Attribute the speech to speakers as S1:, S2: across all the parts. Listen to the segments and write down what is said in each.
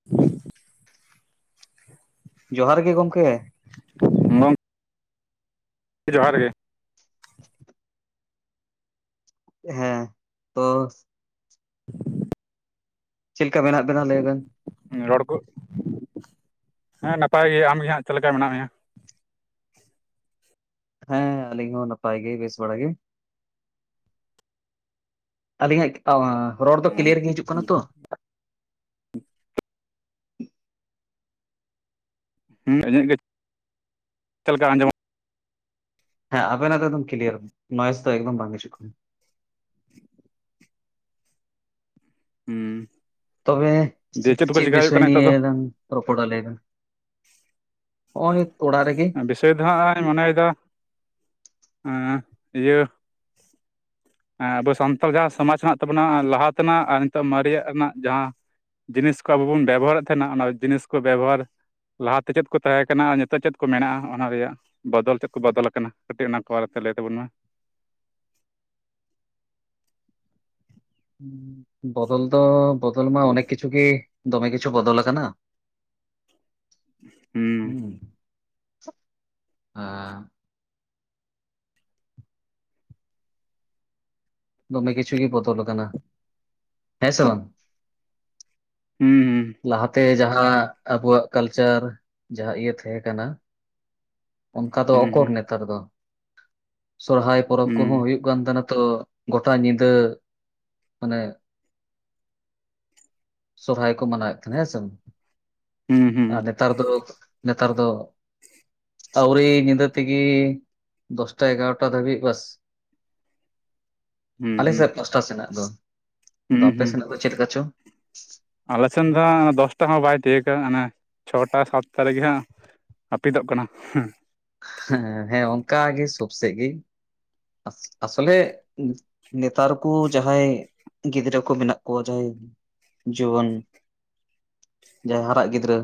S1: [inaudible]
S2: ᱡᱚᱦᱟᱨ ᱜᱮ ᱜᱚᱢᱠᱮ
S1: [unintelligible] ᱡᱚᱦᱟᱨ ᱜᱮ
S2: ᱦᱮᱸ ᱛᱚ ᱪᱮᱫ ᱞᱮᱠᱟ ᱢᱮᱱᱟᱜ ᱵᱤᱱᱟ ᱞᱟᱹᱭ ᱵᱤᱱ
S1: ᱨᱚᱲ ᱠᱚ ᱦᱮᱸ ᱱᱟᱯᱟᱭ ᱜᱮ ᱟᱢ ᱜᱮ ᱦᱟᱸᱜ ᱪᱮᱫ ᱞᱮᱠᱟ ᱢᱮᱱᱟᱜ ᱢᱮᱭᱟ
S2: ᱦᱮᱸ ᱟᱹᱞᱤᱧ ᱦᱚᱸ ᱱᱟᱯᱟᱭ ᱜᱮ ᱵᱮᱥ ᱵᱟᱲᱟ ᱜᱮ ᱟᱹᱞᱤᱧᱟᱜ ᱨᱚᱲ ᱫᱚ ᱠᱤᱞᱭᱟᱨ ᱜᱮ ᱦᱤᱡᱩᱜ ᱠᱟᱱᱟ ᱛᱚ
S1: ᱦᱩᱸ ᱤᱧᱟᱹᱜ ᱜᱮ ᱪᱮᱠᱟ ᱟᱸᱡᱚᱢᱚᱜ
S2: ᱦᱮᱸ ᱟᱵᱮᱱᱟᱜ ᱫᱚ ᱫᱚᱢ ᱠᱞᱤᱭᱟᱨ ᱱᱚᱮᱥ ᱫᱚ ᱮᱠᱫᱚᱢ ᱵᱟᱝ ᱦᱤᱡᱩᱜ ᱠᱟᱱᱟ
S1: ᱦᱩᱸ
S2: ᱛᱚᱵᱮ
S1: ᱫᱤᱭᱮ ᱠᱚ
S2: ᱪᱮᱫ
S1: ᱪᱮᱠᱟ ᱦᱩᱭᱩᱜ
S2: ᱵᱤᱥᱚᱭ
S1: ᱠᱟᱱᱟ ᱱᱤᱛᱚᱜ
S2: ᱱᱤᱭᱟᱹ ᱫᱚ ᱨᱚᱯᱚᱲᱟ ᱞᱟᱹᱭ ᱵᱤᱱ ᱱᱚᱜᱼᱚᱭ ᱚᱲᱟᱜ ᱨᱮᱜᱮ
S1: ᱵᱤᱥᱚᱭ ᱫᱚ ᱦᱟᱸᱜ ᱢᱚᱱᱮ ᱮᱫᱟ ᱤᱭᱟᱹ ᱟᱵᱚ ᱥᱟᱱᱛᱟᱲ ᱡᱟᱦᱟᱸ ᱥᱚᱢᱟᱡᱽ ᱦᱮᱱᱟᱜ ᱛᱟᱵᱚᱱᱟ ᱞᱟᱦᱟ ᱛᱮᱱᱟᱜ ᱟᱨ ᱱᱤᱛᱚᱜ ᱢᱟᱨᱮᱭᱟᱜ ᱨᱮᱱᱟᱜ ᱡᱟᱦᱟᱸ ᱡᱤᱱᱤᱥ ᱠᱚ ᱟᱵᱚ ᱵᱚᱱ ᱵᱮᱵᱚᱦᱟᱨ ᱮᱫ ᱛᱟᱦᱮᱱᱟ ᱚᱱᱟ ᱡᱤᱱᱤᱥ ᱠᱚ ᱵᱮᱵᱚᱦᱟᱨ ᱞᱟᱦᱟ ᱛᱮ ᱪᱮᱫ ᱠᱚ ᱛᱟᱦᱮᱸ ᱠᱟᱱᱟ ᱟᱨ ᱱᱤᱛᱚᱜ ᱪᱮᱫ ᱠᱚ ᱢᱮᱱᱟᱜᱼᱟ ᱚᱱᱟ ᱨᱮᱭᱟᱜ ᱵᱚᱫᱚᱞ ᱪᱮᱫ ᱠᱚ ᱵᱚᱫᱚᱞ ᱟᱠᱟᱱᱟ ᱠᱟᱹᱴᱤᱡ ᱚᱱᱟ ᱠᱚ ᱵᱟᱨᱮ ᱛᱮ ᱞᱟᱹᱭ ᱛᱟᱵᱚᱱ ᱢᱮ
S2: ᱵᱚᱫᱚᱞ ᱫᱚ ᱵᱚᱫᱚᱞ ᱢᱟ ᱚᱱᱮᱠ ᱠᱤᱪᱷᱩ ᱜᱮ ᱫᱚᱢᱮ ᱠᱤᱪᱷᱩ ᱵᱚᱫᱚᱞ ᱟᱠᱟᱱᱟ ᱦᱩᱸ ᱟᱻ ᱫᱚᱢᱮ ᱠᱤᱪᱷᱩ ᱜᱮ ᱵᱚᱫᱚᱞ ᱟᱠᱟᱱᱟ ᱦᱮᱸ ᱥᱮ ᱵᱟᱝ
S1: ᱦᱩᱸ ᱦᱩᱸ
S2: ᱞᱟᱦᱟᱛᱮ ᱡᱟᱦᱟᱸ ᱟᱵᱚᱣᱟᱜ ᱠᱟᱞᱪᱟᱨ ᱡᱟᱦᱟᱸ ᱤᱭᱟᱹ ᱛᱟᱦᱮᱸ ᱠᱟᱱᱟ ᱚᱱᱠᱟ ᱫᱚ
S1: ᱦᱩᱸ
S2: ᱚᱠᱚᱨ ᱱᱮᱛᱟᱨ ᱫᱚ ᱥᱚᱨᱦᱟᱭ ᱯᱚᱨᱚᱵᱽ ᱠᱚᱦᱚᱸ
S1: ᱦᱩᱸ
S2: ᱦᱩᱭᱩᱜ ᱠᱟᱱᱟ ᱦᱩᱭᱩᱜ ᱠᱟᱱ ᱛᱟᱦᱮᱸ ᱛᱚ ᱜᱚᱴᱟ ᱧᱤᱫᱟᱹ ᱢᱟᱱᱮ ᱥᱚᱨᱦᱟᱭ ᱠᱚ ᱢᱟᱱᱟᱣᱮᱫ ᱛᱟᱦᱮᱸ ᱦᱮᱸᱥᱮ
S1: ᱦᱮᱸ ᱦᱩᱸ
S2: ᱛᱟᱨᱯᱚᱨᱮ ᱱᱮᱛᱟᱨ ᱫᱚ ᱟᱹᱣᱨᱤ ᱧᱤᱫᱟᱹ ᱛᱮᱜᱮ ᱫᱚᱥᱴᱟ ᱮᱜᱟᱨᱚᱴᱟ ᱫᱷᱟᱹᱵᱤᱡ ᱵᱟᱥ
S1: ᱦᱩᱸ ᱦᱩᱸ
S2: ᱟᱞᱮ
S1: ᱦᱩᱸ
S2: ᱥᱮᱫ ᱯᱟᱥᱴᱟ ᱥᱮᱱᱟᱜ ᱫᱚ ᱟᱫᱚ
S1: ᱦᱩᱸ
S2: ᱟᱯᱮ
S1: ᱦᱩᱸ
S2: ᱥᱮᱱᱟᱜ ᱫᱚ ᱪᱮᱫ ᱞᱮᱠᱟ ᱪᱚᱝ
S1: ᱟᱞᱮ ᱥᱮᱱ ᱫᱚ ᱦᱟᱸᱜ ᱫᱚᱥᱴᱟ ᱦᱚᱸ ᱵᱟᱭ ᱛᱤᱭᱩᱜᱟ ᱚᱱᱮ ᱪᱷᱚᱴᱟ ᱥᱟᱛᱴᱟ ᱨᱮᱜᱮ ᱦᱟᱸᱜ ᱦᱟᱹᱯᱤᱫᱚᱜ ᱠᱟᱱᱟ
S2: ᱦᱮᱸ ᱦᱮᱸ ᱚᱱᱠᱟ ᱜᱮ ᱥᱚᱵᱽ ᱥᱮᱫ ᱜᱮ ᱛᱟᱦᱚᱞᱮ ᱱᱮᱛᱟᱨ ᱠᱚ ᱡᱟᱦᱟᱸᱭ ᱜᱤᱫᱽᱨᱟᱹ ᱠᱚ ᱢᱮᱱᱟᱜ ᱠᱚᱣᱟ ᱡᱟᱦᱟᱸᱭ ᱡᱩᱣᱟᱹᱱ ᱡᱟᱦᱟᱸᱭ ᱦᱟᱨᱟᱜ ᱜᱤᱫᱽᱨᱟᱹ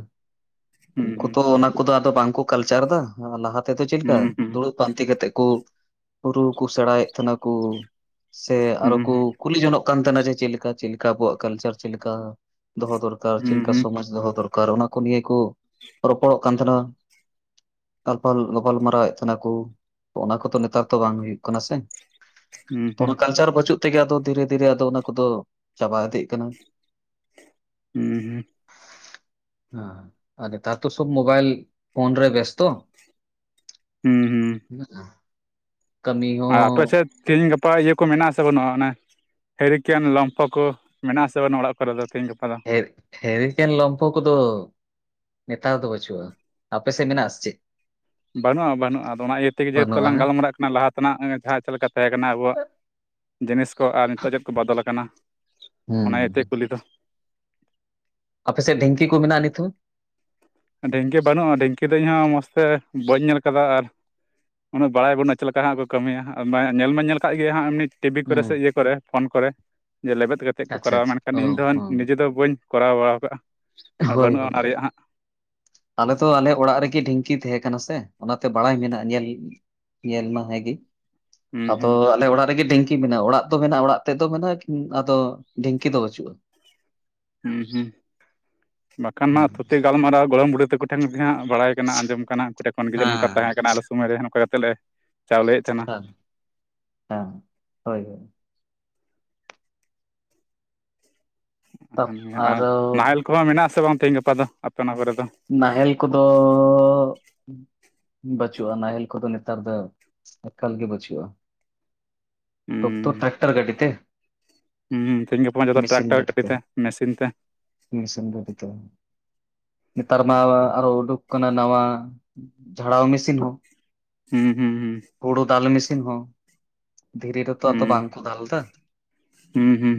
S2: ᱩᱱᱠᱩ
S1: ᱦᱩᱸ
S2: ᱛᱚ ᱚᱱᱟ ᱠᱚᱫᱚ ᱟᱫᱚ ᱵᱟᱝᱠᱚ ᱠᱟᱞᱪᱟᱨ ᱮᱫᱟ ᱞᱟᱦᱟ ᱛᱮᱫᱚ ᱪᱮᱫ ᱞᱮᱠᱟ
S1: ᱦᱩᱸ ᱦᱩᱸ
S2: ᱫᱩᱲᱩᱵ ᱯᱟᱱᱛᱤ ᱠᱟᱛᱮ ᱠᱚ ᱨᱩ ᱠᱚ ᱥᱮᱲᱟᱭᱮᱫ ᱛᱟᱦᱮᱱᱟ ᱠᱚ ᱥᱮ
S1: ᱦᱩᱸ
S2: ᱟᱨᱦᱚᱸ ᱠᱚ
S1: ᱦᱩᱸ
S2: ᱠᱩᱞᱤ ᱡᱚᱝᱼᱟᱜ ᱠᱟᱱᱟ ᱛᱟᱦᱮᱱᱟ ᱡᱮ ᱪᱮᱫ ᱞᱮᱠᱟ ᱪᱮᱫ ᱞᱮᱠᱟ ᱟᱵᱚᱣᱟᱜ ᱠᱟᱞᱪᱟᱨ ᱪᱮᱫ ᱞᱮᱠᱟ ᱫᱚᱦᱚ ᱫᱚᱨᱠᱟᱨ ᱪᱮᱫ
S1: ᱦᱩᱸ
S2: ᱞᱮᱠᱟ
S1: ᱦᱩᱸ
S2: ᱥᱚᱢᱟᱡᱽ ᱫᱚᱦᱚ ᱫᱚᱨᱠᱟᱨ [unintelligible] ᱚᱱᱟ ᱠᱚ ᱱᱤᱭᱟᱹ ᱠᱚ ᱨᱚᱯᱚᱲᱚᱜ ᱠᱟᱱ ᱛᱟᱦᱮᱱᱟ [unintelligible] ᱜᱟᱯᱟᱞᱢᱟᱨᱟᱣᱮᱫ ᱛᱟᱦᱮᱱᱟ ᱠᱚ ᱚᱱᱟ ᱠᱚᱫᱚ ᱱᱮᱛᱟᱨ ᱛᱚ ᱵᱟᱝ ᱦᱩᱭᱩᱜ ᱠᱟᱱᱟ ᱥᱮ
S1: ᱦᱩᱸ
S2: ᱛᱚ ᱚᱱᱟ
S1: ᱦᱩᱸ
S2: ᱠᱟᱞᱪᱟᱨ ᱵᱟᱹᱪᱩᱜ ᱛᱮᱜᱮ ᱟᱫᱚ ᱫᱷᱤᱨᱮ ᱫᱷᱤᱨᱮ ᱟᱫᱚ ᱚᱱᱟ ᱠᱚᱫᱚ ᱪᱟᱵᱟ ᱤᱫᱤᱜ ᱠᱟᱱᱟ
S1: ᱦᱩᱸ ᱦᱩᱸ
S2: ᱦᱚᱸ ᱱᱮᱛᱟᱨ ᱫᱚ ᱥᱚᱵᱽ ᱢᱳᱵᱟᱭᱤᱞ ᱯᱷᱳᱱ ᱨᱮ ᱵᱮᱭᱚᱥᱛᱚ
S1: ᱦᱩᱸ ᱦᱩᱸ
S2: ᱚᱱᱟ
S1: ᱟᱨ ᱟᱯᱮᱥᱮᱫ ᱛᱮᱦᱮᱧ ᱜᱟᱯᱟ ᱤᱭᱟᱹ ᱠᱚ ᱢᱮᱱᱟᱜ ᱟᱥᱮ ᱵᱟᱹᱱᱩᱜᱼᱟ ᱚᱱᱮ ᱦᱤᱨᱤᱠᱮᱱ ᱞᱚᱢᱯᱷᱚ ᱠᱚ ᱢᱮᱱᱟᱜᱼᱟ ᱟᱥᱮ ᱵᱟᱱᱩᱜ ᱟ ᱚᱲᱟᱜ ᱠᱚᱨᱮ ᱫᱚ ᱛᱮᱦᱤᱧ ᱜᱟᱯᱟ ᱫᱚ
S2: ᱦᱮ ᱦᱮᱨᱤᱠᱮᱱ ᱞᱚᱢᱯᱷᱚ ᱠᱚᱫᱚ ᱱᱮᱛᱟᱨ ᱫᱚ ᱵᱟᱹᱪᱩᱜᱼᱟ ᱟᱯᱮ ᱥᱮ ᱢᱮᱱᱟᱜ ᱟᱥᱮ ᱪᱮᱜ
S1: ᱵᱟᱹᱱᱩᱜᱼᱟ ᱵᱟᱹᱱᱩᱜ ᱟᱫᱚ ᱚᱱᱟ ᱤᱭᱟᱹ ᱛᱮᱜᱮ ᱡᱮᱦᱩᱛᱩ
S2: ᱵᱟᱹᱱᱩᱜᱼᱟ
S1: ᱞᱟᱝ ᱜᱟᱞᱢᱟᱨᱟᱜ ᱞᱟᱦᱟ ᱛᱮᱱᱟᱜ ᱡᱟᱦᱟᱸ ᱪᱮᱫ ᱞᱮᱠᱟ ᱛᱟᱦᱮᱸ ᱠᱟᱱᱟ ᱟᱵᱚᱣᱟᱜ ᱡᱤᱱᱤᱥ ᱠᱚ ᱟᱨ ᱱᱤᱛᱚᱜ ᱪᱮᱫ ᱠᱚ ᱵᱚᱫᱚᱞ ᱟᱠᱟᱱᱟ
S2: ᱦᱩᱸ,
S1: ᱚᱱᱟ ᱤᱭᱟᱹᱛᱮ ᱠᱩᱞᱤ ᱫᱚ
S2: ᱟᱯᱮ ᱥᱮ ᱰᱷᱤᱝᱠᱤ ᱠᱚ ᱢᱮᱱᱟᱜᱼᱟ ᱱᱤᱛ ᱦᱚᱸ
S1: ᱰᱷᱤᱝᱠᱤ ᱵᱟᱹᱱᱩᱜᱼᱟ ᱰᱷᱤᱝᱠᱤ ᱫᱚ ᱤᱧᱦᱚᱸ ᱢᱚᱡᱽ ᱛᱮ ᱵᱟᱹᱧ ᱧᱮᱞ ᱟᱠᱟᱫᱟ ᱟᱨ ᱩᱱᱟᱹᱜ ᱵᱟᱲᱟᱭ ᱵᱟᱹᱱᱩᱜ ᱟ ᱪᱮᱫ ᱞᱮᱠᱟ ᱦᱟᱸᱜ ᱠᱚ ᱠᱟᱹᱢᱤᱭᱟ ᱧᱮᱞ ᱢᱟ ᱧᱮᱞ ᱟᱠᱟᱫ ᱜᱮ ᱦᱟᱸᱜ ᱮᱢᱱᱤ ᱴᱤᱵᱷᱤ ᱠᱚᱨᱮ
S2: ᱦᱩᱸ᱾
S1: ᱥᱮ ᱤᱭᱟᱹ ᱠᱚᱨᱮ ᱯᱷᱳᱱ ᱠᱚᱨᱮ ᱡᱮ ᱞᱮᱵᱮᱫ ᱠᱟᱛᱮᱫ ᱠᱚ
S2: ᱟᱪᱪᱷᱟ
S1: ᱠᱚᱨᱟᱣᱟ
S2: ᱟᱪᱪᱷᱟ,
S1: ᱢᱮᱱᱠᱷᱟᱱ
S2: ᱚ
S1: ᱤᱧ ᱫᱚ
S2: ᱦᱚᱸ,
S1: ᱱᱤᱡᱮ ᱫᱚ ᱵᱟᱹᱧ ᱠᱚᱨᱟᱣ ᱵᱟᱲᱟ ᱠᱟᱜᱼᱟ ᱟᱨ
S2: ᱦᱳᱭ
S1: ᱵᱟᱹᱱᱩᱜᱼᱟ ᱚᱱᱟ ᱨᱮᱭᱟᱜ
S2: ᱦᱳᱭ
S1: ᱦᱟᱸᱜ
S2: ᱟᱞᱮᱛᱚ ᱟᱞᱮ ᱚᱲᱟᱜ ᱨᱮᱜᱮ ᱰᱷᱤᱝᱠᱤ ᱛᱟᱦᱮᱸ ᱠᱟᱱᱟ ᱥᱮ ᱚᱱᱟᱛᱮ ᱵᱟᱲᱟᱭ ᱢᱮᱱᱟᱜᱼᱟ ᱧᱮᱞ ᱧᱮᱞ ᱢᱟ ᱦᱮᱸ ᱜᱮ
S1: ᱦᱩᱸ
S2: ᱟᱫᱚ
S1: ᱦᱩᱸ
S2: ᱟᱞᱮ ᱚᱲᱟᱜ ᱨᱮᱜᱮ ᱰᱷᱤᱝᱠᱤ ᱰᱷᱤᱝᱠᱤ ᱢᱮᱱᱟᱜᱼᱟ ᱚᱲᱟᱜ ᱫᱚ ᱢᱮᱱᱟᱜᱼᱟ ᱚᱲᱟᱜ ᱛᱮᱫ ᱫᱚ ᱢᱮᱱᱟᱜᱼᱟ ᱟᱫᱚ ᱰᱷᱤᱝᱠᱤ ᱫᱚ ᱵᱟᱹᱪᱩᱜᱼᱟ
S1: ᱦᱩᱸ ᱦᱩᱸ ᱵᱟᱠᱷᱟᱱ
S2: ᱦᱩᱸ,
S1: ᱦᱟᱜ ᱛᱷᱩᱛᱤ ᱜᱟᱞᱢᱟᱨᱟᱣ ᱜᱚᱲᱚᱢ ᱵᱩᱰᱦᱤ ᱛᱟᱠᱚ ᱴᱷᱮᱱ ᱦᱟᱸᱜ ᱵᱟᱲᱟᱭ ᱟᱸᱡᱚᱢ ᱠᱟᱱᱟ ᱩᱱᱠᱩ ᱴᱷᱮᱱ ᱠᱷᱚᱱ ᱜᱮ ᱡᱮ ᱱᱚᱝᱠᱟ
S2: ᱦᱮᱸ᱾
S1: ᱛᱟᱦᱮᱸ ᱠᱟᱱᱟ ᱟᱞᱮ ᱥᱚᱢᱚᱭ ᱨᱮ ᱱᱚᱝᱠᱟ ᱠᱟᱛᱮᱫ ᱞᱮ ᱪᱟᱣᱞᱮᱭᱮᱫ ᱛᱟᱦᱮᱱᱟ
S2: ᱦᱮᱸ ᱦᱮᱸ ᱦᱳᱭ ᱛᱟ
S1: ᱟᱨ
S2: ᱟᱨᱚ
S1: ᱱᱟᱦᱮᱞ ᱠᱚᱦᱚᱸ ᱢᱮᱱᱟᱜ ᱥᱮ ᱵᱟᱝ ᱛᱮᱦᱤᱧ ᱜᱟᱯᱟ ᱫᱚ ᱟᱯᱮ ᱚᱱᱟ ᱠᱚᱨᱮ ᱫᱚ
S2: ᱱᱟᱦᱮᱞ ᱠᱚᱫᱚ ᱵᱟᱪᱩᱜᱼᱟ ᱱᱟᱦᱮᱞ ᱠᱚᱫᱚ ᱱᱮᱛᱟᱨ ᱫᱚ ᱮᱠᱟᱞ ᱜᱮ ᱵᱟᱹᱪᱩᱜᱼᱟ ᱴᱚᱠᱴᱚᱨ
S1: ᱦᱩᱸ
S2: ᱴᱨᱠᱴᱟᱨ ᱜᱟᱹᱰᱤ ᱛᱮ
S1: ᱦᱩᱸ ᱛᱮᱦᱮᱧ ᱜᱟᱯᱟ ᱢᱟ ᱡᱷᱚᱛᱚ ᱴᱨᱟᱠᱴᱟᱨ ᱜᱟᱹᱰᱤ ᱛᱮ ᱢᱮᱥᱤᱱ ᱛᱮ
S2: ᱢᱤᱥᱤᱱ ᱵᱚᱫᱤᱛᱚ ᱱᱮᱛᱟᱨ ᱢᱟ ᱟᱨᱚ ᱩᱰᱩᱠ ᱠᱟᱱᱟ ᱱᱟᱣᱟ ᱡᱷᱟᱲᱟᱣ ᱢᱮᱥᱤᱱ ᱦᱚᱸ
S1: ᱦᱩᱸ ᱦᱩᱸ ᱦᱩᱸ
S2: ᱠᱩᱲᱩ ᱫᱟᱞ ᱢᱤᱥᱤᱱ ᱦᱚᱸ ᱫᱷᱤᱨᱤ ᱨᱮᱛᱚ ᱟᱫᱚ
S1: ᱦᱩᱸ
S2: ᱵᱟᱝᱠᱚ ᱫᱟᱞ ᱮᱫᱟ
S1: ᱦᱩᱸ ᱦᱩᱸ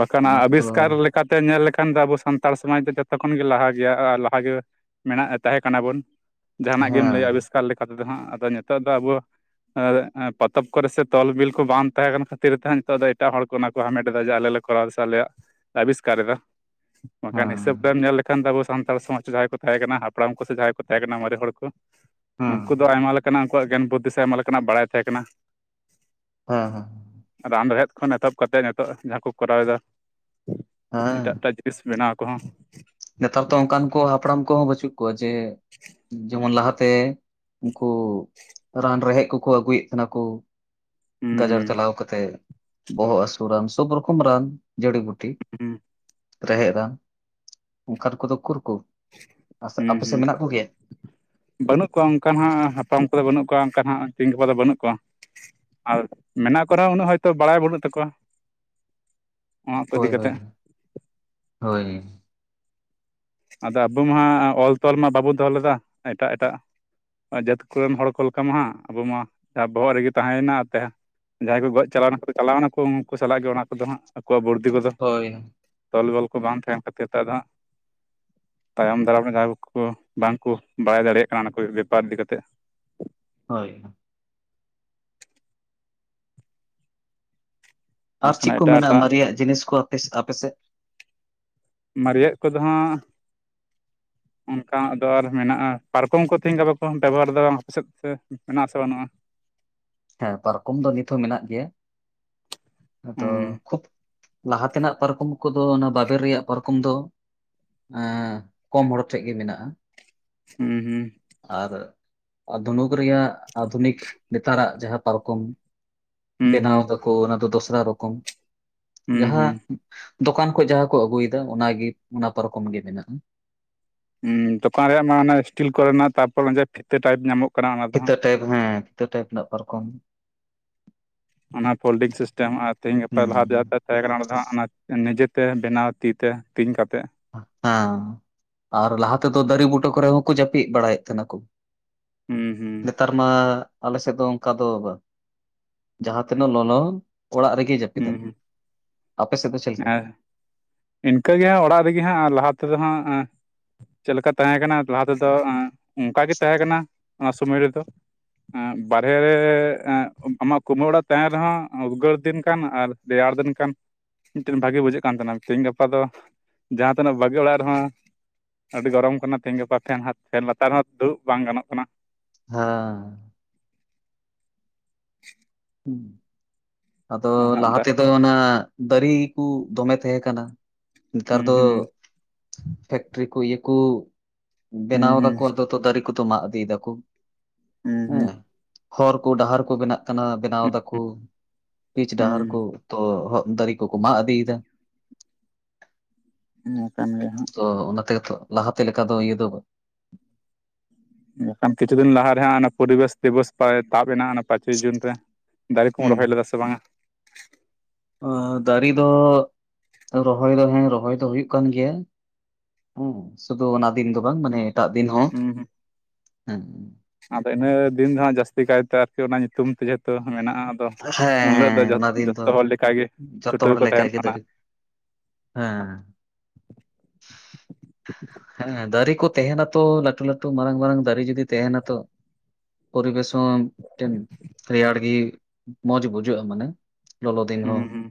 S1: ᱵᱟᱠᱷᱟᱱ
S2: ᱚᱱᱟ ᱠᱚᱫᱚ
S1: ᱟᱵᱤᱥᱠᱟᱨ ᱞᱮᱠᱟ ᱠᱟᱛᱮ ᱧᱮᱞ ᱞᱮᱠᱷᱟᱱ ᱫᱚ ᱟᱵᱚ ᱥᱟᱱᱛᱟᱲ ᱥᱚᱢᱟᱡᱽ ᱫᱚ ᱡᱚᱛᱚ ᱠᱷᱚᱱ ᱜᱮ ᱞᱟᱦᱟ ᱜᱮᱭᱟ ᱟᱨ ᱞᱟᱦᱟ ᱜᱮ ᱢᱮᱱᱟᱜᱼᱟ ᱛᱟᱦᱮᱸ ᱠᱟᱱᱟ ᱵᱚᱱ
S2: ᱦᱮᱸ
S1: ᱡᱟᱦᱟᱱᱟᱜ ᱜᱮᱢ ᱞᱟᱹᱭᱟ
S2: ᱦᱮᱸ
S1: ᱟᱵᱤᱥ ᱞᱮᱠᱟᱛᱮ ᱫᱚ ᱦᱟᱜ ᱟᱫᱚ ᱱᱤᱛᱚᱜ ᱫᱚ ᱟᱵᱚ ᱯᱚᱛᱚᱵ ᱠᱚᱨᱮ ᱥᱮ ᱛᱚᱞ ᱵᱤᱞ ᱵᱟᱝ ᱛᱟᱦᱮᱸ ᱠᱟᱱᱟ ᱠᱷᱟᱹᱛᱤᱨ ᱛᱮᱦᱟᱸᱜ ᱱᱤᱛᱚᱜ ᱫᱚ ᱮᱴᱟᱜ ᱦᱚᱲ ᱠᱚ ᱚᱱᱟ ᱠᱚ ᱦᱟᱢᱮᱴ ᱮᱫᱟ ᱡᱮ ᱟᱞᱮ ᱞᱮ ᱠᱚᱨᱟᱣ ᱮᱫᱟ ᱥᱮ ᱟᱞᱮᱭᱟᱜ ᱟᱵᱤᱥᱠᱟᱨ ᱫᱟ ᱵᱟᱝᱠᱷᱟᱱ ᱦᱤᱥᱟᱹᱵ ᱨᱮᱢ ᱧᱮᱞ ᱠᱷᱟᱱ ᱫᱚ ᱟᱵᱚ ᱥᱟᱱᱛᱟᱲ ᱥᱚᱢᱟᱡᱽ ᱨᱮ ᱡᱟᱦᱟᱸᱭ ᱠᱚ ᱛᱟᱦᱮᱸ ᱠᱟᱱᱟ ᱦᱟᱯᱲᱟᱢ ᱠᱚ ᱥᱮ ᱡᱟᱦᱟᱸᱭ ᱠᱚ ᱛᱟᱦᱮᱸ ᱠᱟᱱᱟ ᱢᱟᱨᱮ ᱦᱚᱲ ᱠᱚ
S2: ᱦᱮᱸ
S1: ᱩᱱᱠᱩ ᱫᱚ ᱟᱭᱢᱟ ᱞᱮᱠᱟᱱᱟᱜ ᱩᱱᱠᱩᱣᱟᱜ ᱜᱮᱭᱟᱱ ᱵᱩᱫᱽᱫᱷᱤ ᱥᱮ ᱟᱭᱢᱟ ᱞᱮᱠᱟᱱᱟᱜ ᱵᱟᱲᱟᱭ ᱛᱟᱦᱮᱸ ᱠᱟᱱᱟ
S2: ᱦᱚᱸ ᱦᱚᱸ
S1: ᱨᱟᱱ ᱨᱮᱦᱮᱫ ᱠᱷᱚᱱ ᱮᱛᱚᱦᱚᱵ ᱠᱟᱛᱮᱫ ᱱᱤᱛᱚᱜ ᱡᱟᱦᱟᱸ ᱠᱚ ᱠᱚᱨᱟᱣ ᱮᱫᱟ
S2: ᱦᱮᱸ
S1: ᱮᱴᱟᱜ ᱮᱴᱟᱜ ᱛᱤᱥ ᱵᱮᱱᱟᱣ ᱠᱚᱦᱚᱸ
S2: ᱱᱮᱛᱟᱨ ᱫᱚ ᱚᱱᱠᱟᱱ ᱠᱚ ᱦᱟᱯᱲᱟᱢ ᱠᱚᱦᱚᱸ ᱵᱟᱹᱪᱩᱜ ᱠᱚᱣᱟ ᱡᱮ ᱡᱮᱢᱚᱱ ᱞᱟᱦᱟᱛᱮ ᱩᱱᱠᱩ ᱨᱟᱱ ᱨᱮᱦᱮᱫ ᱠᱚᱠᱚ ᱟᱹᱜᱩᱭᱮᱜ ᱠᱟᱱᱟ ᱠᱚ
S1: ᱦᱩᱸ
S2: ᱜᱟᱡᱟᱲ
S1: ᱦᱩᱸ
S2: ᱪᱟᱞᱟᱣ ᱠᱟᱛᱮᱫ ᱵᱚᱦᱚᱜ ᱦᱟᱹᱥᱩ ᱨᱟᱱ ᱥᱚᱵ ᱨᱚᱠᱚᱢ ᱨᱟᱱ ᱡᱟᱹᱲᱤ ᱵᱩᱴ
S1: ᱦᱩᱸ
S2: ᱨᱮᱦᱮᱫᱼᱟ ᱚᱱᱠᱟᱱ ᱠᱚᱫᱚ ᱩᱠᱩᱨ ᱠᱚ
S1: ᱦᱩᱸ
S2: ᱟᱯᱮ ᱥᱮᱫ
S1: ᱦᱩᱸ
S2: ᱢᱮᱱᱟᱜ ᱠᱚᱜᱮᱭᱟ
S1: ᱵᱟᱹᱱᱩᱜ ᱠᱚᱣᱟ ᱚᱱᱠᱟᱱ ᱦᱟᱸᱜ ᱦᱟᱯᱟᱢ ᱠᱚᱫᱚ ᱵᱟᱹᱱᱩᱜ ᱠᱚᱣᱟ ᱚᱱᱠᱟᱱ ᱦᱟᱜ ᱛᱮᱦᱤᱧ ᱜᱟᱯᱟ ᱫᱚ ᱵᱟᱹᱱᱩᱜ ᱠᱚᱣᱟ ᱟᱨ ᱢᱮᱱᱟᱜ ᱠᱚᱨᱮᱦᱚᱸ ᱩᱱᱟᱹᱜ ᱦᱳᱭᱛᱳ ᱵᱟᱲᱟᱭ ᱵᱟᱹᱱᱩᱜ ᱛᱟᱠᱚᱣᱟ ᱚᱱᱟ ᱠᱚ ᱤᱫᱤ
S2: ᱦᱳᱭ
S1: ᱠᱟᱛᱮᱫ
S2: ᱦᱳᱭ ᱦᱳᱭ
S1: ᱟᱫᱚ ᱟᱵᱚ ᱢᱟ ᱚᱞ ᱛᱚᱞ ᱢᱟ ᱵᱟᱵᱚᱱ ᱫᱚᱦᱚ ᱞᱮᱫᱟ ᱮᱴᱟᱜ ᱮᱴᱟᱜ ᱡᱟᱹᱛ ᱠᱚᱨᱮᱱ ᱦᱚᱲ ᱠᱚ ᱞᱮᱠᱟ ᱢᱟ ᱦᱟᱸᱜ ᱟᱵᱚᱢ ᱢᱟ ᱡᱟᱦᱟᱸ ᱵᱚᱦᱚᱜ ᱨᱮᱜᱮ ᱛᱟᱦᱮᱸᱭ ᱮᱱᱟᱛᱮ ᱡᱟᱦᱟᱸᱭ ᱠᱚ ᱜᱚᱡ ᱪᱟᱞᱟᱣ ᱮᱱᱟ ᱠᱚ ᱪᱟᱞᱟᱣ ᱮᱱᱟ ᱠᱚ ᱩᱱᱠᱩ ᱥᱟᱞᱟᱜ ᱜᱮ ᱚᱱᱟ ᱠᱚᱫᱚ ᱦᱟᱜ ᱟᱠᱚᱣᱟᱜ ᱵᱩᱨᱫᱷᱤ ᱠᱚᱫᱚ
S2: ᱦᱳᱭ
S1: ᱛᱚᱞ ᱵᱚᱞ ᱠᱚ ᱵᱟᱝ ᱛᱟᱦᱮᱱ ᱠᱷᱟᱹᱛᱤᱨ ᱛᱮ ᱟᱫᱚ ᱦᱟᱸᱜ ᱛᱟᱭᱚᱢ ᱫᱟᱨᱟᱢ ᱨᱮ ᱡᱟᱦᱟᱸᱭ ᱠᱩᱠᱩ ᱵᱟᱝ ᱠᱚ ᱵᱟᱲᱟᱭ ᱫᱟᱲᱮᱭᱟᱜ ᱠᱟᱱᱟ ᱚᱱᱟ ᱠᱚ ᱵᱮᱯᱟᱨ ᱤᱫᱤ ᱠᱟᱛᱮᱫ
S2: ᱦᱳᱭ ᱟᱨ
S1: ᱵᱟᱝᱠᱷᱟᱱ
S2: ᱪᱮᱫ ᱠᱚ
S1: ᱮᱴᱟᱜ
S2: ᱢᱮᱱᱟᱜᱼᱟ
S1: ᱮᱴᱟᱜ
S2: ᱢᱟᱨᱮᱭᱟᱜ ᱡᱤᱱᱤᱥ ᱠᱚ [inaudible] ᱟᱯᱮ ᱥᱮᱫ
S1: ᱢᱟᱨᱮᱭᱟᱜ ᱠᱚᱫᱚ ᱦᱟᱸᱜ ᱚᱱᱠᱟᱱᱟᱜ ᱫᱚ ᱟᱨ ᱢᱮᱱᱟᱜᱼᱟ ᱯᱟᱨᱠᱚᱢ ᱠᱚ ᱛᱤᱦᱤᱧ ᱜᱟᱯᱟ ᱠᱚ ᱵᱮᱵᱚᱦᱟᱨ ᱫᱟ ᱟᱯᱮ ᱥᱮᱫ ᱥᱮ ᱢᱮᱱᱟᱜ ᱟᱥᱮ ᱵᱟᱹᱱᱩᱜᱼᱟ
S2: ᱦᱮᱸ ᱯᱟᱨᱠᱚᱢ ᱫᱚ ᱱᱤᱛᱦᱚᱸ ᱢᱮᱱᱟᱜ ᱜᱮᱭᱟ ᱟᱫᱚ
S1: ᱦᱩᱸ
S2: ᱠᱷᱩᱵᱽ ᱞᱟᱦᱟ ᱛᱮᱱᱟᱜ ᱯᱟᱨᱠᱚᱢ ᱠᱚᱫᱚ ᱚᱱᱟ ᱵᱟᱵᱮᱨ ᱨᱮᱭᱟᱜ ᱯᱟᱨᱠᱚᱢ ᱫᱚ ᱮᱸ ᱠᱚᱢ ᱦᱚᱲ ᱴᱷᱮᱡ ᱜᱮ ᱢᱮᱱᱟᱜᱼᱟ
S1: ᱦᱩᱸ ᱦᱩᱸ
S2: ᱟᱨ ᱫᱷᱚᱱᱩᱠ ᱨᱮᱭᱟᱜ ᱟᱫᱷᱩᱱᱤᱠ ᱱᱮᱛᱟᱨᱟᱜ ᱡᱟᱦᱟᱸ ᱯᱟᱨᱠᱚᱢ
S1: ᱦᱩᱸ
S2: ᱵᱮᱱᱟᱣ
S1: ᱦᱩᱸ
S2: ᱫᱟᱠᱚ ᱚᱱᱟ ᱫᱚ ᱫᱚᱥᱨᱟ ᱨᱚᱠᱚᱢ
S1: ᱦᱩᱸ
S2: ᱡᱟᱦᱟᱸ
S1: ᱦᱩᱸ
S2: ᱫᱚᱠᱟᱱ ᱠᱚ ᱡᱟᱦᱟᱸ ᱠᱚ ᱟᱹᱜᱩᱭᱫᱟ ᱚᱱᱟᱜᱮ ᱚᱱᱟ ᱯᱟᱨᱠᱚᱢ ᱜᱮ ᱢᱮᱱᱟᱜᱼᱟ
S1: ᱩ ᱫᱚᱠᱟᱱ ᱨᱮᱭᱟᱜ ᱢᱟ ᱚᱱᱟ ᱤᱥᱴᱤᱞ ᱠᱚᱨᱮᱱᱟᱜ ᱛᱟᱯᱚᱨ ᱯᱷᱤᱛᱟᱹ ᱴᱟᱭᱤᱯ ᱧᱟᱢᱚᱜ ᱠᱟᱱᱟ ᱚᱱᱟ ᱫᱚ
S2: ᱯᱷᱤᱛᱟᱹ
S1: ᱦᱟᱸᱜ
S2: ᱴᱟᱭᱤᱯ ᱦᱮᱸ ᱯᱷᱤᱛᱟᱹ ᱴᱟᱭᱤᱯ ᱨᱮᱱᱟᱜ ᱯᱟᱨᱠᱚᱢ
S1: ᱚᱱᱟ ᱯᱷᱳᱞᱰᱤᱝ ᱥᱤᱥᱴᱮᱢ ᱟᱨ ᱛᱤᱦᱤᱧ ᱜᱟᱯᱟ
S2: ᱦᱩᱸ
S1: ᱞᱟᱦᱟ ᱡᱟᱦᱟᱸ ᱛᱟᱦᱮᱸ ᱠᱟᱱᱟ ᱚᱱᱟ ᱫᱚ ᱦᱟᱸᱜ ᱚᱱᱟ ᱱᱤᱡᱮᱛᱮ ᱵᱮᱱᱟᱣ ᱛᱤ ᱛᱮ ᱛᱤᱧ ᱠᱟᱛᱮᱜ
S2: ᱦᱮᱸ ᱟᱨ ᱞᱟᱦᱟ ᱛᱮᱫᱚ ᱫᱟᱨᱮ ᱵᱩᱴᱟᱹ ᱠᱚᱨᱮ ᱦᱚᱸᱠᱚ ᱡᱟᱹᱯᱤᱫ ᱵᱟᱲᱟᱭᱮᱫ ᱛᱟᱦᱮᱱᱟ ᱠᱚ
S1: ᱦᱩᱸ ᱦᱩᱸ
S2: ᱱᱮᱛᱟᱨ ᱢᱟ ᱟᱞᱮᱥᱮᱫ ᱫᱚ ᱚᱱᱠᱟ ᱫᱚ ᱵᱟᱝ ᱡᱟᱦᱟᱸ ᱛᱤᱱᱟᱹᱜ ᱞᱚᱞᱚ ᱚᱲᱟᱜ ᱨᱮᱜᱮ ᱡᱟᱯᱤᱫᱟ
S1: ᱦᱩᱸ ᱦᱩᱸ
S2: ᱠᱚ, ᱟᱯᱮ ᱥᱮᱫ ᱫᱚ ᱪᱮᱫ ᱞᱮᱠᱟ
S1: ᱟᱨ ᱤᱱᱠᱟᱹᱜᱮ ᱦᱟᱸᱜ ᱚᱲᱟᱜ ᱨᱮᱜᱮ ᱦᱟᱸᱜ ᱞᱟᱦᱟ ᱛᱮᱫᱚ ᱦᱟᱸᱜ ᱪᱮᱫ ᱞᱮᱠᱟ ᱛᱟᱦᱮᱸ ᱠᱟᱱᱟ ᱞᱟᱦᱟ ᱛᱮᱫᱚ ᱚᱱᱠᱟ ᱜᱮ ᱛᱟᱦᱮᱸ ᱠᱟᱱᱟ ᱚᱱᱟ ᱥᱩᱢᱟᱹᱭ ᱨᱮᱫᱚ ᱵᱟᱦᱨᱮ ᱨᱮ ᱟᱢᱟᱜ ᱠᱩᱢᱟᱹ ᱚᱲᱟᱜ ᱛᱟᱦᱮᱱ ᱨᱮᱦᱚᱸ ᱩᱫᱽᱜᱟᱹᱨ ᱫᱤᱱ ᱠᱟᱱ ᱟᱨ ᱨᱮᱭᱟᱲ ᱫᱤᱱ ᱠᱟᱱ ᱢᱤᱫᱴᱮᱱ ᱵᱷᱟᱜᱮ ᱵᱩᱡᱷᱟᱹᱜ ᱠᱟᱱ ᱛᱟᱦᱮᱱᱟ ᱛᱮᱦᱮᱧ ᱜᱟᱯᱟ ᱫᱚ ᱡᱟᱦᱟᱸ ᱛᱤᱱᱟᱹᱜ ᱵᱷᱟᱜᱮ ᱚᱲᱟᱜ ᱨᱮᱦᱚᱸ ᱟᱹᱰᱤ ᱜᱚᱨᱚᱢ ᱠᱟᱱᱟ ᱛᱮᱦᱮᱧ ᱜᱟᱯᱟ ᱯᱷᱮᱱ ᱦᱟᱛ ᱯᱷᱮᱱ ᱞᱟᱛᱟᱨ ᱨᱮᱦᱚᱸ ᱫᱩᱲᱩᱵ ᱵᱟᱝ ᱜᱟᱱᱚᱜ ᱠᱟᱱᱟ
S2: ᱦᱮᱸ
S1: [inaudible]
S2: ᱟᱫᱚ
S1: ᱦᱟᱸᱜ
S2: ᱞᱟᱦᱟ
S1: ᱫᱟᱜ
S2: ᱛᱮᱫᱚ ᱚᱱᱟ ᱫᱟᱨᱮ ᱠᱩ ᱫᱚᱢᱮ ᱛᱟᱦᱮᱸ ᱠᱟᱱᱟ ᱱᱮᱛᱟᱨ
S1: ᱦᱩᱸ
S2: ᱫᱚ
S1: ᱦᱩᱸ
S2: ᱯᱷᱮᱠᱴᱨᱤ ᱠᱚ ᱤᱭᱟᱹ ᱠᱩ
S1: ᱦᱩᱸ
S2: ᱵᱮᱱᱟᱣ
S1: ᱦᱩᱸ
S2: ᱫᱟᱠᱚ ᱱᱤᱛᱚᱜ ᱫᱚ ᱫᱟᱨᱮ ᱠᱚᱫᱚ ᱢᱟᱜ ᱤᱫᱤᱭ ᱫᱟᱠᱚ
S1: ᱦᱩᱸ ᱦᱩᱸ
S2: ᱮᱸ ᱦᱚᱨ ᱠᱚ ᱰᱟᱦᱟᱨ ᱠᱚ ᱵᱮᱱᱟᱜ ᱠᱟᱱᱟ ᱵᱮᱱᱟᱣ ᱫᱟᱠᱚ ᱯᱤᱪ ᱰᱟᱦᱟᱨ
S1: ᱦᱩᱸ
S2: ᱠᱚ ᱛᱚ ᱦᱚᱜ ᱫᱟᱨᱮ ᱡᱚᱠᱚ ᱢᱟᱜ ᱤᱫᱤᱭ ᱫᱟ
S1: ᱱᱤᱭᱟᱹ ᱠᱟᱱ ᱜᱮᱭᱟ ᱦᱟᱸᱜ
S2: ᱛᱚ ᱚᱱᱟ ᱛᱮᱜᱮ ᱛᱚ ᱞᱟᱦᱟᱛᱮ ᱞᱮᱠᱟ ᱫᱚ ᱤᱭᱟᱹ ᱫᱚ
S1: ᱢᱮᱱᱠᱷᱟᱱ ᱠᱤᱪᱷᱩ ᱫᱤᱱ ᱞᱟᱦᱟ ᱨᱮ ᱦᱟᱸᱜ ᱚᱱᱟ ᱯᱚᱨᱤᱵᱮᱥ ᱫᱤᱵᱚᱥ ᱛᱟᱵ ᱮᱱᱟ ᱯᱟᱸᱪᱮᱭ ᱡᱩᱱ ᱨᱮ ᱫᱟᱨᱮ ᱠᱚᱢ ᱨᱚᱦᱚᱭ ᱞᱮᱫᱟ ᱥᱮ ᱵᱟᱝ-ᱟ
S2: ᱫᱟᱨᱮ ᱫᱚ ᱨᱚᱦᱚᱭ ᱫᱚ ᱦᱮᱸ ᱨᱚᱦᱚᱭ ᱫᱚ ᱦᱩᱭᱩᱜ ᱠᱟᱱ ᱜᱮᱭᱟ ᱦᱮᱸ ᱥᱩᱫᱩ ᱚᱱᱟ ᱫᱤᱱ ᱫᱚ ᱵᱟᱝ ᱢᱟᱱᱮ
S1: ᱦᱩᱸ
S2: ᱮᱴᱟᱜ ᱫᱤᱱ ᱦᱚᱸ
S1: ᱦᱩᱸ
S2: ᱦᱮᱸ
S1: ᱟᱫᱚ ᱤᱱᱟᱹ ᱫᱤᱱ ᱫᱚ ᱦᱟᱸᱜ ᱡᱟᱹᱥᱛᱤ ᱠᱟᱭᱛᱮ ᱟᱨᱠᱤ ᱚᱱᱟ ᱧᱩᱛᱩᱢ ᱛᱮ ᱡᱮᱦᱩᱛᱩ ᱢᱮᱱᱟᱜᱼᱟ ᱟᱫᱚ
S2: ᱦᱮᱸ
S1: ᱩᱱᱦᱤᱞᱳᱜ ᱫᱚ
S2: ᱦᱮᱸ ᱚᱱᱟ ᱫᱤᱱ ᱫᱚ
S1: ᱡᱚᱛᱚ ᱦᱚᱲ ᱞᱮᱠᱟᱜᱮ
S2: ᱡᱚᱛᱚ
S1: ᱪᱷᱩᱴᱟᱹᱣ
S2: ᱦᱚᱲ
S1: ᱠᱚ
S2: ᱞᱮᱠᱟ
S1: ᱛᱟᱦᱮᱱ
S2: ᱜᱮ
S1: ᱠᱟᱱᱟ
S2: ᱫᱟᱨᱮ ᱦᱮᱸ ᱦᱮᱸ ᱫᱟᱨᱮ ᱠᱚ ᱛᱟᱦᱮᱱᱟᱛᱚ ᱞᱟᱹᱴᱩ ᱞᱟᱹᱴᱩ ᱢᱟᱨᱟᱝ ᱢᱟᱨᱟᱝ ᱫᱟᱨᱮ ᱡᱩᱫᱤ ᱛᱟᱦᱮᱱᱟᱛᱚ ᱯᱚᱨᱤᱵᱮᱥ ᱦᱚᱸ ᱢᱤᱫᱴᱮᱱ ᱨᱮᱭᱟᱲ ᱜᱮ ᱢᱚᱸᱡᱽ ᱵᱩᱡᱷᱟᱹᱜᱼᱟ ᱢᱟᱱᱮ ᱞᱚᱞᱚ ᱫᱤᱱ
S1: ᱦᱩᱸ
S2: ᱦᱚᱸ
S1: ᱦᱩᱸ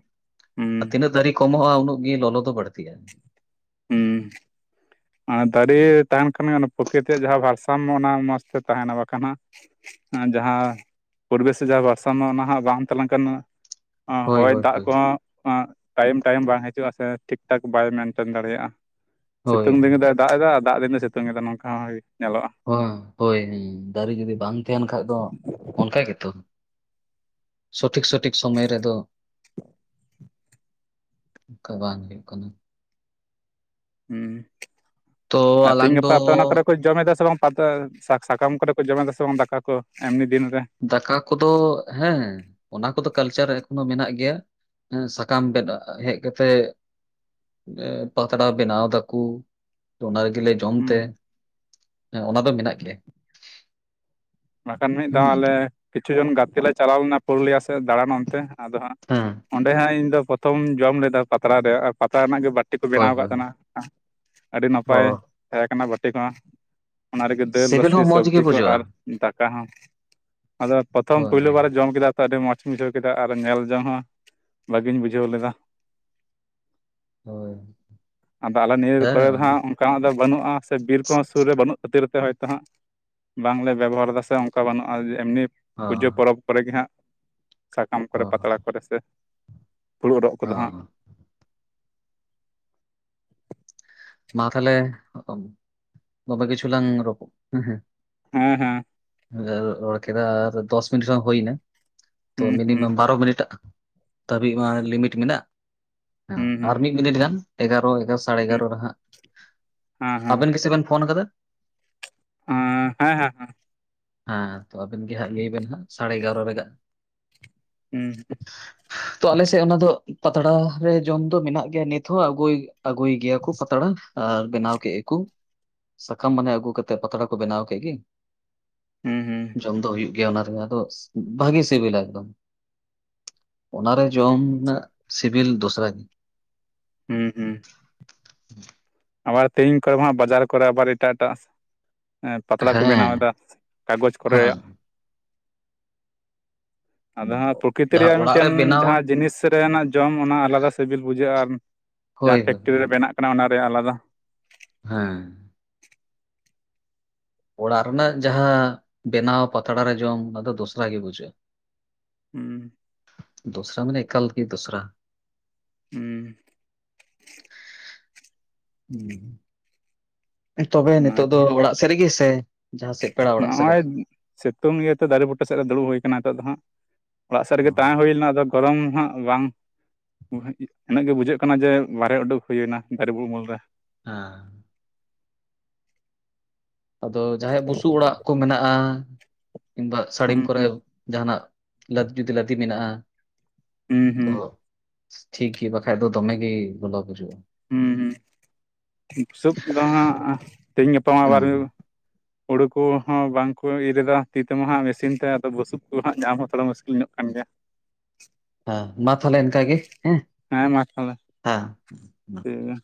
S1: ᱦᱩᱸ
S2: ᱛᱤᱱᱟᱹᱜ ᱫᱟᱨᱮ ᱠᱚᱢᱚᱜᱼᱟ ᱩᱱᱟᱹᱜ ᱜᱮ ᱞᱚᱞᱚ ᱫᱚ ᱵᱟᱹᱲᱛᱤᱜᱼᱟ
S1: ᱦᱩᱸ ᱫᱟᱨᱮ ᱛᱟᱦᱮᱱ ᱠᱷᱟᱱ ᱜᱮ ᱚᱱᱟ ᱯᱨᱚᱠᱤᱨᱤᱛᱤᱭᱟᱜ ᱡᱟᱦᱟᱸ ᱵᱷᱟᱨᱥᱟᱢ ᱚᱱᱟ ᱢᱚᱸᱡᱽ ᱛᱮ ᱛᱟᱦᱮᱱᱟ ᱵᱟᱝᱠᱷᱟᱱ ᱦᱟᱜ ᱡᱟᱦᱟᱸ ᱯᱚᱨᱤᱵᱮᱥ ᱥᱮ ᱡᱟᱦᱟᱸ ᱵᱷᱟᱨᱥᱟᱢᱚ ᱚᱱᱟ ᱦᱟᱜ ᱵᱟᱝ ᱛᱟᱞᱟᱝ ᱠᱷᱟᱱ
S2: ᱦᱳᱭ
S1: ᱦᱚᱭ
S2: ᱦᱳᱭ
S1: ᱫᱟᱜ
S2: ᱦᱳᱭ
S1: ᱠᱚᱦᱚᱸ ᱴᱟᱭᱤᱢ ᱴᱟᱭᱤᱢ ᱵᱟᱝ ᱦᱤᱡᱩᱜᱼᱟ ᱥᱮ ᱴᱷᱤᱠ ᱴᱷᱟᱠ ᱵᱟᱭ ᱢᱮᱱᱴᱮᱱ ᱫᱟᱲᱮᱭᱟᱜᱼᱟ
S2: ᱦᱳᱭ
S1: ᱥᱤᱛᱩᱝ ᱫᱤᱱᱮ ᱫᱟᱜ ᱮᱫᱟ ᱟᱨ ᱫᱟᱜ ᱫᱤᱱᱮ ᱥᱤᱛᱩᱝ ᱮᱟ ᱱᱚᱝᱠᱟ ᱦᱚᱸ ᱧᱮᱞᱚᱜᱼᱟ
S2: ᱦᱮᱸ ᱦᱳᱭ ᱦᱮᱸ ᱫᱟᱨᱮ ᱡᱩᱚᱫᱤ ᱵᱟᱝ ᱛᱟᱦᱮᱟᱸᱱ ᱠᱷᱟᱡ ᱫᱚ ᱚᱱᱠᱟ ᱜᱮᱛᱚ ᱥᱚᱴᱷᱤᱠ ᱥᱚᱴᱷᱤᱠ ᱥᱚᱢᱚᱭ ᱨᱮᱫᱚ ᱚᱱᱠᱟ ᱵᱟᱝ ᱦᱩᱭᱩᱜ ᱠᱟᱱᱟ
S1: ᱦᱩᱸ
S2: ᱛᱚ
S1: ᱟᱨ ᱛᱤᱦᱤᱧ
S2: ᱟᱞᱟᱝ ᱫᱚ
S1: ᱜᱟᱯᱟ ᱟᱯᱮ ᱚᱱᱟ ᱠᱚᱨᱮ ᱠᱚ ᱡᱚᱢᱮᱫᱟ ᱥᱮ ᱵᱟᱝ ᱯᱟᱛᱟ ᱥᱟᱠᱟᱢ ᱠᱚᱨᱮ ᱠᱚ ᱡᱚᱢᱮᱫᱟ ᱥᱮ ᱵᱟᱝ ᱫᱟᱠᱟ ᱠᱚ ᱮᱢᱱᱤ ᱫᱤᱱ ᱨᱮ
S2: ᱫᱟᱠᱟ ᱠᱚᱫᱚ ᱦᱮᱸ ᱚᱱᱟ ᱠᱚᱫᱚ ᱠᱟᱞᱪᱟᱨ ᱮᱠᱷᱚᱱᱳ ᱢᱮᱱᱟᱜ ᱜᱮᱭᱟ ᱥᱟᱠᱟᱢ [inaudible] ᱦᱮᱡ ᱠᱟᱛᱮᱜ ᱯᱟᱛᱲᱟ ᱵᱮᱱᱟᱣ ᱫᱟᱠᱚ ᱚᱱᱟ ᱨᱮᱜᱮ ᱞᱮ ᱡᱚᱢ
S1: ᱦᱩᱸ
S2: ᱛᱮ ᱦᱮᱸ ᱚᱱᱟ ᱫᱚ ᱢᱮᱱᱟᱜ ᱜᱮᱭᱟ
S1: ᱵᱟᱠᱷᱟᱱ ᱢᱤᱫ
S2: ᱦᱩᱸ᱾
S1: ᱫᱷᱟᱣ ᱟᱞᱮ ᱠᱤᱪᱷᱩ ᱡᱚᱱ ᱜᱟᱛᱮ ᱞᱮ ᱪᱟᱞᱟᱣ ᱞᱮᱱᱟ ᱯᱩᱨᱩᱞᱤᱭᱟᱹ ᱥᱮᱫ ᱫᱟᱬᱟᱱ ᱚᱱᱛᱮ ᱟᱫᱚ ᱦᱟᱸᱜ
S2: ᱦᱮᱸ
S1: ᱚᱸᱰᱮ ᱦᱟᱸᱜ ᱤᱧ ᱫᱚ ᱯᱨᱚᱛᱷᱚᱢᱧ ᱡᱚᱢ ᱞᱮᱫᱟ ᱯᱟᱛᱲᱟ ᱨᱮ ᱯᱟᱛᱲᱟ ᱨᱮᱱᱟᱜ ᱜᱮ ᱵᱟᱼᱼ ᱵᱟᱴᱤ ᱠᱚ
S2: ᱦᱳᱭ
S1: ᱵᱮᱱᱟᱣ ᱟᱠᱟᱫ
S2: ᱦᱳᱭ
S1: ᱛᱟᱦᱮᱱᱟ ᱟᱹᱰᱤ
S2: ᱚ
S1: ᱱᱟᱯᱟᱭ ᱛᱟᱦᱮᱸ ᱠᱟᱱᱟ ᱵᱟᱹᱴᱤ ᱢᱟ ᱚᱱᱟ ᱨᱮᱜᱮ ᱫᱟᱹᱞ
S2: ᱥᱤᱵᱤᱞ
S1: ᱨᱟᱥᱮ
S2: ᱦᱚᱸ ᱢᱚᱸᱡᱽ ᱜᱮ
S1: ᱥᱚᱵᱡᱤ ᱠᱚ
S2: ᱵᱩᱡᱷᱟᱹᱜᱼᱟ
S1: ᱟᱨ ᱫᱟᱠᱟ ᱦᱚᱸ ᱟᱫᱚ ᱯᱨᱚᱛᱷᱚᱢ ᱯᱳᱞ
S2: ᱦᱳᱭ
S1: ᱵᱟᱨ ᱡᱚᱢ ᱠᱮᱫᱟ ᱛᱚ ᱟᱹᱰᱤ ᱢᱚᱸᱡᱽᱧ ᱵᱩᱡᱷᱟᱹᱣ ᱠᱮᱫᱟ ᱟᱨ ᱧᱮᱞ ᱡᱚᱝ ᱦᱚᱸ ᱵᱷᱟᱜᱤᱧ ᱵᱩᱡᱷᱟᱹᱣ ᱞᱮᱫᱟ
S2: ᱦᱳᱭ
S1: ᱟᱫᱚ ᱟᱞᱮ ᱱᱤᱭᱟᱹ ᱠᱚᱨᱮ ᱫᱚ ᱦᱟᱸᱜ
S2: ᱦᱮᱸ᱾
S1: ᱩᱱᱠᱟᱱᱟᱜ ᱫᱚ ᱵᱟᱹᱱᱩᱜᱼᱟ ᱥᱮ ᱵᱤᱨ ᱠᱚᱦᱚᱸ ᱥᱩᱨ ᱨᱮ ᱵᱟᱹᱱᱩᱜ ᱠᱷᱟᱹᱛᱤᱨ ᱛᱮ ᱦᱚᱭᱛᱳ ᱦᱟᱸᱜ ᱵᱟᱝᱞᱮ ᱵᱮᱵᱚᱦᱟᱨ ᱫᱟ ᱥᱮ ᱚᱱᱠᱟ ᱵᱟᱹᱱᱩᱜᱼᱟ ᱮᱢᱱᱤ
S2: ᱚ
S1: ᱯᱩᱡᱟᱹ ᱯᱚᱨᱚᱵᱽ ᱠᱚᱨᱮ ᱜᱮ ᱦᱟᱸᱜ ᱥᱟᱠᱟᱢ
S2: ᱚ
S1: ᱠᱚᱨᱮ ᱯᱟᱛᱲᱟ ᱠᱚ ᱠᱚᱨᱮ ᱥᱮ ᱯᱷᱩᱲᱩᱜ ᱨᱚᱜ ᱠᱚᱫᱚ ᱦᱟᱸᱜ
S2: ᱚ ᱢᱟ ᱛᱟᱦᱮ ᱫᱚᱢᱮ ᱠᱤᱪᱷᱩ ᱞᱝ ᱨᱯᱚᱲ ᱦᱮᱸ
S1: ᱦᱮᱸ ᱦᱮᱸ
S2: ᱨᱚᱲ ᱠᱮᱫᱟ ᱟᱨ ᱫᱚᱥ ᱢᱤᱱᱤᱴ ᱠᱷᱚᱱ ᱦᱩᱭᱱᱟ ᱛᱚ
S1: ᱦᱩᱸ
S2: ᱢᱤᱱᱤᱢᱟᱢ
S1: ᱦᱩᱸ
S2: ᱵᱟᱨᱚ ᱢᱤᱱᱤᱴ ᱟ ᱫᱷᱟᱹᱵᱤᱡ ᱢᱟ ᱞᱤᱢᱤᱴ ᱢᱮᱱᱟᱜ
S1: ᱦᱩᱸ
S2: ᱟᱨ
S1: ᱦᱩᱸ
S2: ᱢᱤᱫ ᱢᱤᱱᱤᱴ ᱜᱟᱱ ᱮᱜᱟᱨᱚ ᱮᱜᱟᱨᱚ ᱥᱟᱲᱮ
S1: ᱦᱩᱸ
S2: ᱮᱜᱟᱨᱚ ᱨᱮ ᱦᱟᱜ
S1: ᱦᱮᱸ ᱦᱮᱸ
S2: ᱟᱵᱮᱱ ᱜᱮᱥᱮ ᱵᱮᱱ ᱯᱷᱳᱱ ᱟᱠᱟᱫᱟ
S1: [unintelligible] ᱦᱮᱸ ᱦᱮᱸ
S2: ᱦᱮᱸ ᱛᱚ ᱟᱵᱮᱱ ᱜᱮ ᱦᱟᱸᱜ ᱞᱟᱹᱭ ᱵᱮᱱ ᱦᱟᱸᱜ ᱥᱟᱲᱮ ᱮᱜᱟᱨᱚ ᱨᱮᱜ
S1: ᱦᱩᱸ
S2: ᱛᱚ ᱟᱞᱮᱥᱮᱫ ᱚᱱᱟ ᱫᱚ ᱯᱟᱛᱲᱟ ᱨᱮ ᱡᱚᱢ ᱫᱚ ᱢᱮᱱᱟᱜ ᱜᱮᱭᱟ ᱱᱤᱛᱦᱚ ᱟᱹᱜᱩᱭ ᱟᱹᱜᱩᱭ ᱜᱮᱭᱟ ᱠᱚ ᱯᱟᱛᱲᱟ ᱟᱨ ᱵᱮᱱᱟᱣ ᱠᱮᱫ ᱜᱮᱠᱚ ᱥᱟᱠᱟᱢ ᱢᱟᱱᱮ ᱟᱹᱜᱩ ᱠᱟᱛᱮᱜ ᱯᱟᱛᱲᱟ ᱠᱚ ᱵᱮᱱᱟᱣ ᱠᱮᱫ ᱜᱮ
S1: ᱦᱩᱸ ᱦᱩᱸ
S2: ᱡᱚᱢ ᱫᱚ ᱦᱩᱭᱩᱜ ᱜᱮᱭᱟ ᱚᱱᱟ ᱨᱮ ᱟᱫᱚ ᱵᱷᱟᱜᱤ ᱥᱤᱵᱤᱞᱟ ᱮᱠᱫᱚᱢ ᱚᱱᱟᱨᱮ ᱡᱚᱢ
S1: ᱟᱪᱪᱷᱟ
S2: ᱨᱮᱱᱟᱜ ᱥᱤᱵᱤᱞ ᱫᱚᱥᱨᱟ ᱜᱮ
S1: ᱦᱩᱸ ᱦᱩᱸ ᱟᱵᱟᱨ ᱛᱮᱦᱤᱧ ᱠᱚᱨᱮ ᱢᱟ ᱦᱟᱜ ᱵᱟᱡᱟᱨ ᱠᱚᱨᱮ ᱟᱵᱟᱨ ᱮᱴᱟᱜ ᱮᱴᱟᱜ ᱯᱟᱛᱲᱟ ᱠᱚ ᱵᱮᱱᱟᱣ
S2: ᱦᱮᱸ
S1: ᱮᱫᱟ ᱠᱟᱜᱚᱡᱽ
S2: ᱦᱮᱸ
S1: ᱠᱚᱨᱮᱭᱟᱜ ᱟᱫᱚ ᱦᱟᱸᱜ ᱯᱨᱚᱠᱨᱤᱛᱤ
S2: ᱡᱟᱦᱟᱸ
S1: ᱨᱮᱭᱟᱜ
S2: ᱚᱲᱟᱜ ᱨᱮ
S1: ᱢᱤᱫᱴᱮᱱ
S2: ᱵᱮᱱᱟᱣ
S1: ᱡᱟᱦᱟᱸ ᱡᱤᱱᱤᱥ ᱠᱷᱮᱛ ᱨᱮᱱᱟᱜ ᱡᱚᱢ ᱚᱱᱟ ᱟᱞᱟᱫᱟ ᱥᱤᱵᱤᱞ ᱵᱩᱡᱷᱟᱹᱜᱼᱟ ᱟᱨ
S2: ᱦᱳᱭ
S1: ᱡᱟᱦᱟᱸ
S2: ᱦᱳᱭ
S1: ᱯᱷᱮᱠᱴᱨᱤ ᱨᱮ ᱵᱮᱱᱟᱜ ᱠᱟᱱᱟ ᱚᱱᱟ ᱨᱮᱭᱟᱜ ᱟᱞᱟᱫᱟ [unintelligible]
S2: ᱦᱮᱸ ᱚᱲᱟᱜ ᱨᱮᱱᱟᱜ ᱡᱟᱦᱟᱸ ᱵᱮᱱᱟᱣ ᱯᱟᱛᱲᱟ ᱨᱮ ᱡᱚᱢ ᱚᱱᱟ ᱫᱚ ᱫᱚᱥᱨᱟ ᱜᱮ ᱵᱩᱡᱷᱟᱹᱜᱼᱟ
S1: ᱦᱩᱸ
S2: ᱫᱩᱥᱨᱟ ᱢᱟᱱᱮ ᱮᱠᱟᱞ ᱜᱮ ᱫᱩᱥᱨᱟ
S1: ᱦᱩᱸ
S2: [unintelligible] ᱛᱚᱵᱮ ᱱᱤᱛᱚᱜ
S1: ᱚᱱᱟᱜᱮ
S2: ᱫᱚ ᱚᱲᱟᱜ ᱥᱮᱫ ᱨᱮᱜᱮ ᱥᱮ ᱡᱟᱦᱟᱸ ᱥᱮᱫ ᱯᱮᱲᱟ ᱚᱲᱟᱜ ᱥᱮᱫ ᱨᱮ
S1: ᱱᱚᱜᱼᱚᱭ ᱥᱤᱛᱩᱝ ᱤᱭᱟᱹᱛᱮ ᱫᱟᱨᱮ ᱵᱩᱴᱟᱹ ᱥᱮᱫ ᱨᱮ ᱫᱩᱲᱩᱵ ᱦᱩᱭ ᱠᱟᱱᱟ ᱱᱤᱛᱚᱜ ᱫᱚ ᱦᱟᱸᱜ ᱚᱲᱟᱜ ᱥᱮᱫ ᱨᱮᱜᱮ ᱛᱟᱦᱮᱸ ᱦᱩᱭ ᱞᱮᱱᱟ ᱟᱫᱚ ᱜᱚᱨᱚᱢ ᱦᱟᱜ ᱵᱟᱝ ᱤᱱᱟᱹᱜ ᱜᱮ ᱵᱩᱡᱷᱟᱹᱜ ᱠᱟᱱᱟ ᱡᱮ ᱵᱟᱦᱨᱮ ᱩᱰᱩᱠ ᱦᱩᱭᱱᱟ ᱫᱟᱨᱮ ᱩᱢᱩᱞ ᱨᱮ
S2: ᱦᱮᱸ ᱟᱫᱚ ᱡᱟᱦᱟᱸᱭᱟᱜ ᱵᱩᱥᱩᱵ ᱚᱲᱟᱜ ᱠᱚ ᱢᱮᱱᱟᱜᱼᱟ ᱠᱤᱢᱵᱟ ᱥᱟᱹᱲᱤᱢ
S1: ᱦᱩᱸ
S2: ᱠᱚᱨᱮ
S1: ᱦᱩᱸ
S2: ᱡᱟᱦᱟᱱᱟᱜ [unintelligible] ᱢᱮᱱᱟᱜᱼᱟ
S1: ᱦᱩᱸ
S2: ᱛᱚ
S1: ᱦᱩᱸ
S2: ᱴᱷᱤᱠ ᱜᱮ ᱵᱟᱠᱷᱟᱡ ᱫᱚ ᱫᱚᱢᱮ ᱜᱮ ᱞᱚᱞᱚ ᱵᱩᱡᱷᱟᱹᱜᱼᱟ
S1: ᱦᱮᱸ ᱥᱩᱵᱽ ᱫᱚ ᱦᱟᱸᱜ ᱛᱮᱦᱮᱧ ᱜᱟᱯᱟᱢᱟ ᱟᱵᱟᱨ
S2: ᱦᱮᱸ
S1: ᱦᱩᱭᱩᱜ ᱦᱳᱲᱩ ᱠᱚᱦᱚᱸ ᱵᱟᱝᱠᱚ ᱤᱨ ᱮᱫᱟ ᱛᱤ ᱛᱮᱢᱟ ᱦᱟᱸᱜ ᱢᱮᱥᱤᱱ ᱛᱮ ᱟᱫᱚ ᱵᱩᱥᱩᱵ ᱠᱚ ᱦᱟᱸᱜ ᱧᱟᱢ ᱦᱚᱸ ᱛᱷᱚᱲᱟ ᱢᱩᱥᱠᱤᱞ ᱧᱚᱜ ᱠᱟᱱ ᱜᱮᱭᱟ
S2: ᱦᱮᱸ ᱢᱟ ᱛᱟᱦᱞᱮ ᱤᱱᱠᱟ ᱜᱮ
S1: ᱦᱮᱸ ᱢᱟ ᱛᱟᱦᱚᱞᱮ ᱴᱷᱤᱠ
S2: ᱦᱮᱸ
S1: ᱜᱮᱭᱟ